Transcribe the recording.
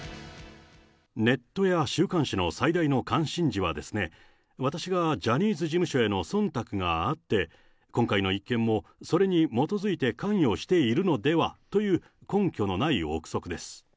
ネットや週刊誌の最大の関心事はですね、私がジャニーズ事務所へのそんたくがあって、今回の一見もそれに基づいて関与しているのではという、根拠のない臆測です。